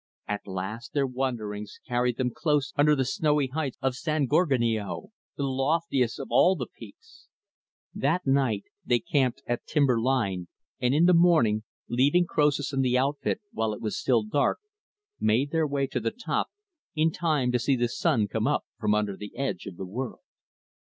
At last, their wanderings carried them close under the snowy heights of San Gorgonio the loftiest of all the peaks. That night, they camped at timber line and in the morning, leaving Croesus and the outfit, while it was still dark, made their way to the top, in time to see the sun come up from under the edge of the world.